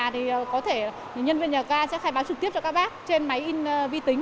thì có thể nhân viên nhà ga sẽ khai báo trực tiếp cho các bác trên máy in vi tính